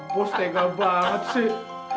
bos tegal banget sih